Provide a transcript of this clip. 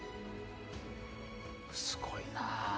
すごいな。